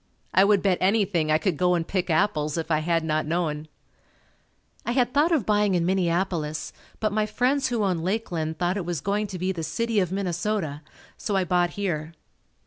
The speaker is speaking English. I would bet anything I could go and pick apples if I had not known. I had thought of buying in Minneapolis, but my friends who owned Lakeland thought it was going to be the city of Minnesota, so I bought here.